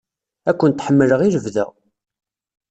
Ad kent-ḥemmleɣ i lebda!